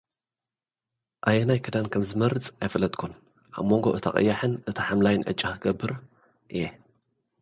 ኣየናይ ክዳን ከም ዝመርጽ ኣይፈለጥኩን፣ ኣብ መንጎ እታ ቀያሕን እታ ሓምላይን ዕጫ ኽገብር እየ።